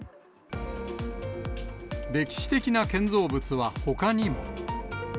歴史的な建造物はほかにも。